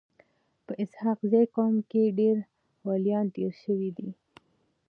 په اسحق زي قوم کي ډير وليان تیر سوي دي.